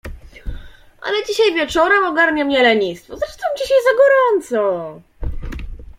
Ale dzisiaj wieczorem ogarnie mnie lenistwo… zresztą dzisiaj za gorąco!